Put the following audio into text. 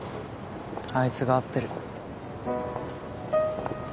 あいつが合ってる。